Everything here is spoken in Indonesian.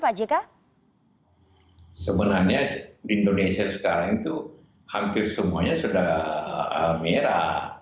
sebenarnya di indonesia sekarang itu hampir semuanya sudah merah